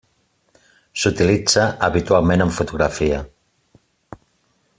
S'utilitza habitualment en fotografia.